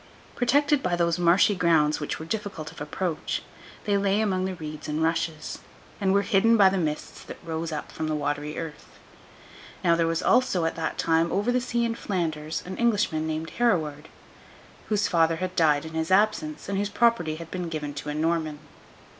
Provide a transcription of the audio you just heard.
Protected by those marshy grounds which were difficult of approach, they lay among the reeds and rushes, and were hidden by the mists that rose up from the watery earth. Now, there also was, at that time, over the sea in Flanders, an Englishman named Hereward, whose father had died in his absence, and whose property had been given to a Norman.